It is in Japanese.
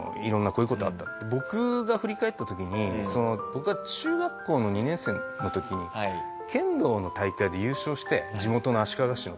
僕が振り返った時に僕が中学校の２年生の時に剣道の大会で優勝して地元の足利市の。